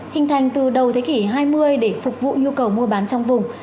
hình thành từ đầu thế kỷ hai mươi để phục vụ nhu cầu mua bán trong vùng